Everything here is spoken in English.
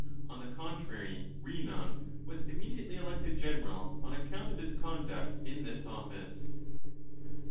On the contrary, Rhinon was immediately elected general on account of his conduct in this office.